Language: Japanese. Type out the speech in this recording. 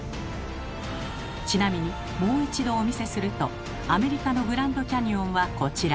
ちなみにもう一度お見せするとアメリカのグランドキャニオンはこちら。